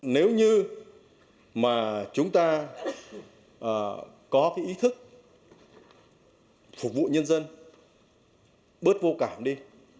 nếu như mà chúng ta có cái ý thức phục vụ nhân dân bớt vô cảm đi